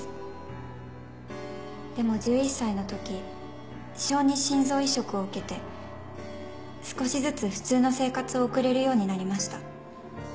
でも１１歳のとき小児心臓移植を受けて少しずつ普通の生活を送れるようになりました。